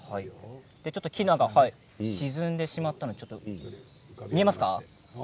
ちょっとキヌアが沈んでしまったので見えますか。